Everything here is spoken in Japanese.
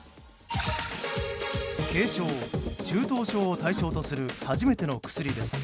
軽症・中等症を対象とする初めての薬です。